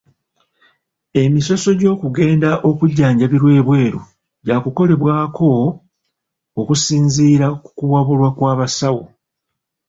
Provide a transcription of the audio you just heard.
Emisoso gy'okugenda okujjanjabirwa ebweru gy'akukolebwako okusinziira ku kuwabula kw'abasawo.